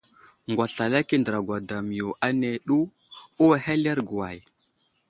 Ŋgwaslalaki andra gwadam yo áne ɗu, uway ahelerge way ?